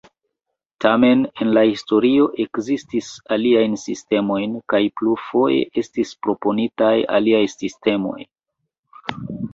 Tamen en la historio ekzistis aliaj sistemoj kaj plurfoje estis proponitaj aliaj sistemoj.